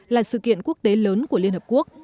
là sự kiện quốc tế lớn của liên hợp quốc